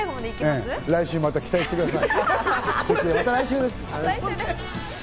来週、また期待してください。